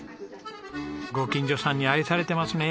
ご近所さんに愛されてますね。